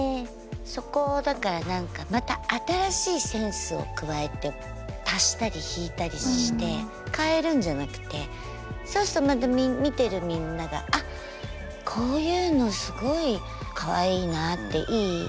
そこをだからまた新しいセンスを加えて足したり引いたりして変えるんじゃなくてそうすると見てるみんながあっこういうのすごいかわいいなっていいなっていうのをまた考えてよ。